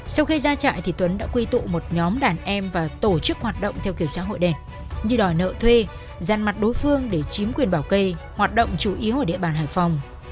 sau khi ra trại thì tuấn đã quy tụ một nhóm đàn em và tổ chức hoạt động theo kiểu xã hội đẹp như đòi nợ thuê gian mặt đối phương để chiếm quyền bảo kê hoạt động chủ yếu ở địa bàn hải phòng